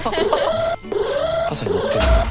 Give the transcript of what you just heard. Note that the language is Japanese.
傘に乗ってるんだ。